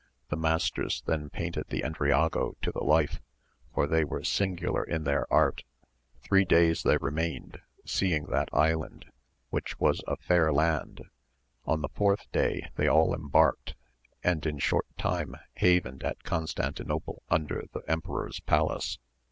The masters then painted the Endriago to the life for they were singular in their art. Three days they remained seeing that island which was a fair land ; on the fourth day they all embarked, and in short time havened at Constantinople under the emperor's palace.